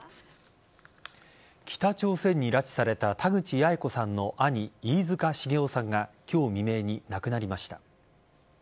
北朝鮮に拉致された田口八重子さんの兄飯塚繁雄さんが今日未明に亡くなりました。